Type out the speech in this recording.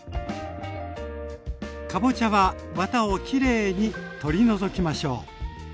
かぼちゃはわたをきれいに取り除きましょう。